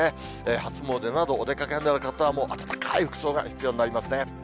初詣など、お出かけになる方はもう暖かい服装が必要になりますね。